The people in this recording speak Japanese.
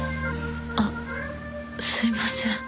あすいません。